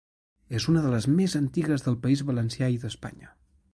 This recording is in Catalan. És una de les més antigues del País Valencià i d'Espanya.